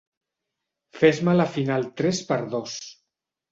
Fes-me la final tres per dos.